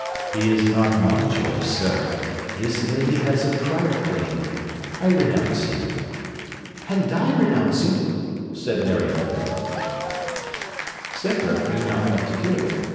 'He is not my choice, sir. This lady has a prior claim: I renounce him.' 'And I renounce him,' said Marionetta. Scythrop knew not what to do.